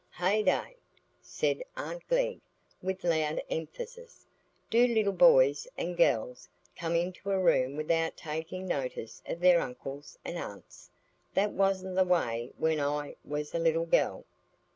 "Heyday!" said aunt Glegg, with loud emphasis. "Do little boys and gells come into a room without taking notice of their uncles and aunts? That wasn't the way when I was a little gell."